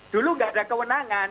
dulu gak ada kewenangan